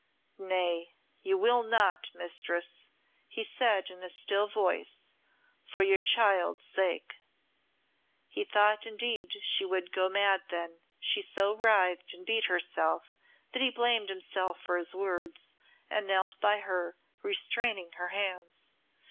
"Nay, you will not, Mistress," he said, in a still voice, "for your child's sake." He thought, indeed, she would go mad then: she so writhed and beat herself, that he blamed himself for his words, and knelt by her, restraining her hands.